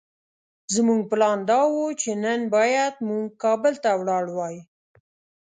زموږ پلان دا وو چې نن بايد موږ کابل ته ولاړ وای.